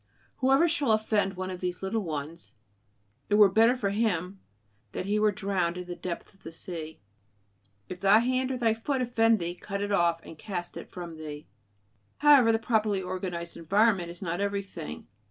"Whoever shall offend one of these little ones, it were better for him ... that he were drowned in the depth of the sea." "If thy hand or thy foot offend thee, cut it off and cast it from thee." However, the properly organized environment is not everything.